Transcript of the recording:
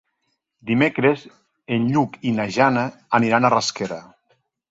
Dimecres en Lluc i na Jana aniran a Rasquera.